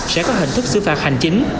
sẽ có hình thức xử phạt hành chính